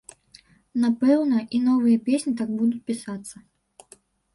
Напэўна, і новыя песні так будуць пісацца.